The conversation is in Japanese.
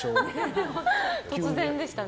突然でしたね。